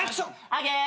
アゲー！